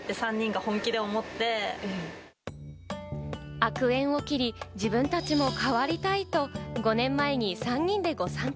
悪縁を切り、自分たちも変わりたいと５年前に３人でご参拝。